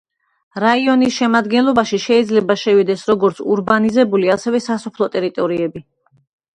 რაიონის შემადგენლობაში შეიძლება შევიდეს როგორც ურბანიზირებული, ასევე სასოფლო ტერიტორიები.